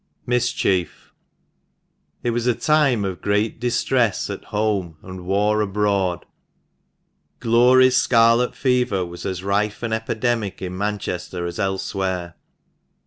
MISCHIEF. T was a time of distress at home and war abroad. Glory's scarlet fever was as rife an epidemic in Manchester as elsewhere.